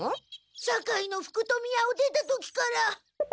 堺の福富屋を出た時から。